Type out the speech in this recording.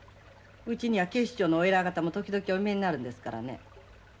うちには警視庁のお偉方も時々お見えになるんですからね。